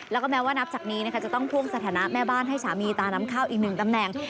แล้วก็แม้ว่านับจากนี้นะคะจะต้องพ่วงสถานะแม่บ้านให้สามีตาน้ำข้าวอีกหนึ่งตำแหน่ง